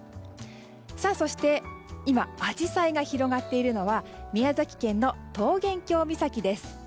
そして今アジサイが広がっているのは宮崎県の桃源郷岬です。